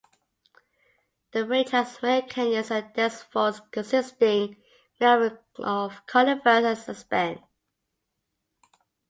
The range has many canyons and dense forests, consisting mainly of conifers and aspen.